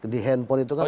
di handphone itu kan